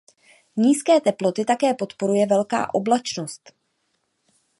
Nízké teploty také podporuje velká oblačnost.